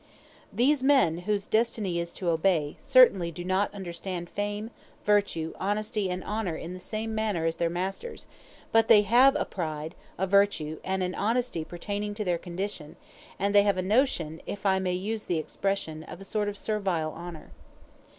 These men, whose destiny is to obey, certainly do not understand fame, virtue, honesty, and honor in the same manner as their masters; but they have a pride, a virtue, and an honesty pertaining to their condition; and they have a notion, if I may use the expression, of a sort of servile honor.